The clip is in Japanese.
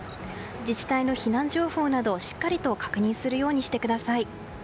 自治体の避難情報などしっかり確認するようにしてください。